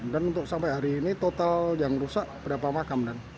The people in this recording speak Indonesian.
dan untuk sampai hari ini total yang rusak berapa makam